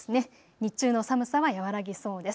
日中の寒さは和らぎそうです。